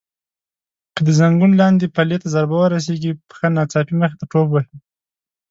که د زنګون لاندې پلې ته ضربه ورسېږي پښه ناڅاپي مخې ته ټوپ وهي.